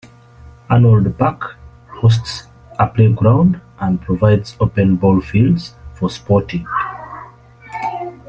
Arnold Park hosts a playground and provides open ball fields for sporting.